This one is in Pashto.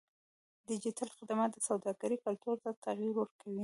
ډیجیټل خدمات د سوداګرۍ کلتور ته تغیر ورکوي.